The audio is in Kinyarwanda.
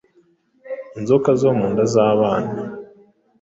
inzoka zo mu nda z’abana